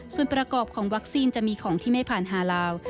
ส่วนประกอบของวัคซีนจะมีของที่ไม่ผ่านฮาลาว